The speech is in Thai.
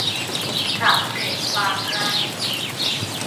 สำเร็จความใคร่